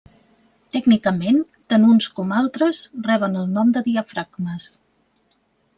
Tècnicament, tant uns com altres reben el nom de diafragmes.